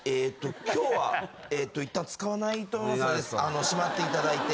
今日はいったん使わないと思いますのでしまっていただいて。